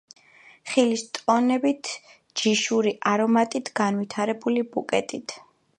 ხილის ტონებით, ჯიშური არომატით, განვითარებული ბუკეტით.